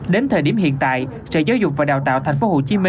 đến thời điểm hiện tại sở giáo dục và đào tạo tp hcm